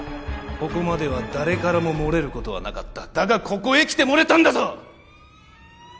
ここまでは誰からも漏れることはなかっただがここへ来て漏れたんだぞ！